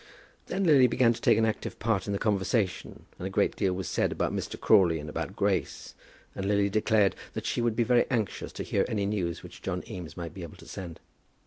Then Lily began to take an active part in the conversation, and a great deal was said about Mr. Crawley, and about Grace, and Lily declared that she would be very anxious to hear any news which John Eames might be able to send.